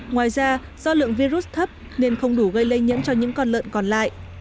ngoài ra do lượng virus thấp nên không đủ gây lây nhiễm cho những con lợn còn lại